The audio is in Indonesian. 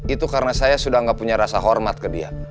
itu karena saya sudah tidak punya rasa hormat ke dia